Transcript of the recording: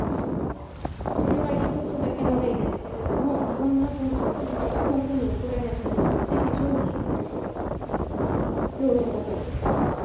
それは１つだけの例ですけれども、日本の文化が本当にウクライナ人にとって非常に興味深いです。